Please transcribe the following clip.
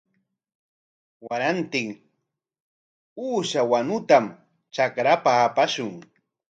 Warantin uusha wanutam trakrapa apashun.